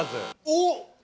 おっ。